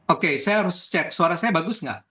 oke saya harus cek suara saya bagus nggak